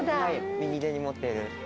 右手に持っている。